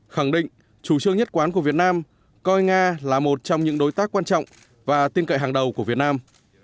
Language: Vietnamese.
khẳng định chủ trương nhất quán của việt nam coi nga là một trong những đối tác quan trọng và tin cậy hàng đầu của việt nam